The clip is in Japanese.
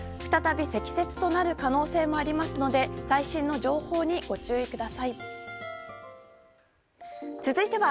再び積雪となる可能性もありますので最新の情報にご注意ください。